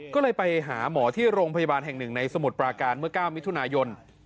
ก็เลยไปหาหมอที่โรงพยาบาลแห่งหนึ่งในสมุทรปราการเมื่อ๙มิถุนายน